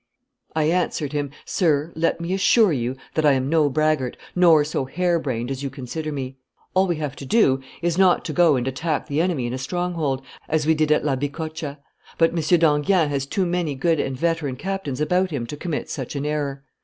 I answered him, 'Sir, let me assure you that I am no braggart, nor so hare brained as you consider me. All we have to do is not to go and attack the enemy in a stronghold, as we did at La Bicocca; but M. d'Enghien has too many good and veteran captains about him to commit such an error.